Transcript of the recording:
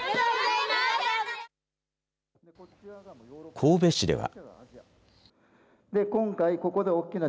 神戸市では。